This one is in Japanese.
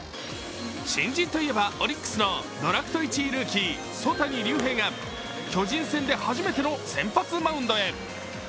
新人といえば、オリックスのドラフト１位ルーキー、曽谷龍平が巨人戦で初めての先発マウンドへ。